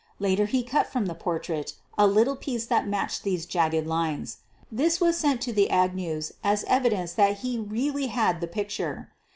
Later he cut from the portrait a little piece that matched these jagged lines. This was to send to the Agnews as evidence that he really had the picture.